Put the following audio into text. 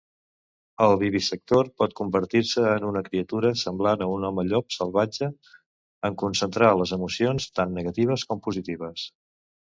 El vivisector pot convertir-se en una criatura semblant a un home llop salvatge en concentrar les emocions tant negatives com positives.